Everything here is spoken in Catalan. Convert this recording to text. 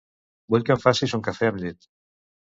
Vull que em facis un cafè amb llet.